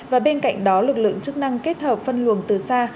và bên cạnh đó lực lượng chức năng kết hợp phân luồng từ xa